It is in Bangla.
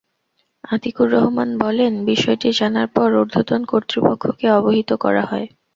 আতিকুর রহমান বলেন, বিষয়টি জানার পর ঊর্ধ্বতন কর্তৃপক্ষকে অবহিত করা হয়।